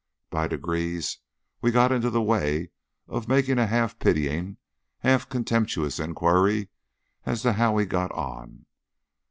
By degrees we got into the way of making a half pitying, half contemptuous inquiry as to how he got on.